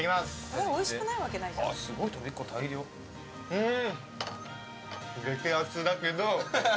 うん！